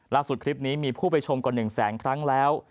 คลิปนี้มีผู้ไปชมกว่า๑แสนครั้งแล้ว